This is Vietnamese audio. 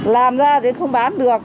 làm ra thì không bán được